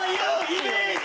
イメージ。